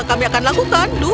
oh ya kami akan lakukan dulu